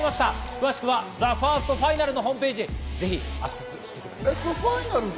詳しくはＴＨＥＦＩＲＳＴＦＩＮＡＬのホームページ、ぜひアクセスしてください。